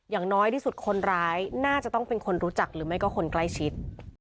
อย่างน้อยที่สุดคนร้ายน่าจะต้องเป็นคนรู้จักหรือไม่ก็คนใกล้ชิด